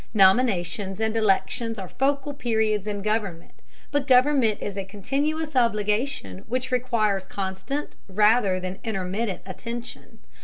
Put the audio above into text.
Nominations and elections are focal periods in government, but government is a continuous obligation which requires constant rather than intermittent attention.